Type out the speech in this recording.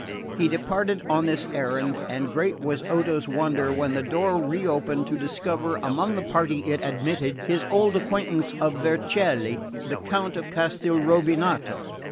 He departed on this errand; and great was Odo's wonder, when the door reopened, to discover, among the party it admitted, his old acquaintance of Vercelli, the Count of Castelrovinato.